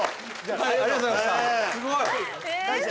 はいありがとうございましたすごい！